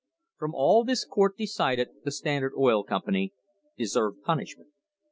* From all this the court decided the Standard Oil Company deserved punishment.